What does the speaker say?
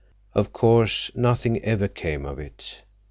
Of course nothing ever came of it.